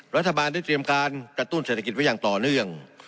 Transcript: รัฐบาลได้เตรียมการกระตุ้นเศรษฐกิจไว้อย่างต่อเนื่อง